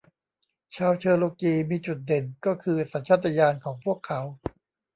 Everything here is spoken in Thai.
ชาวเชอโรกีมีจุดเด่นก็คือสัญชาตญาณของพวกเขา